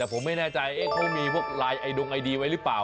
แต่ผมไม่แน่ใจเขามีพวกไลน์ไอดงไอดีไว้หรือเปล่า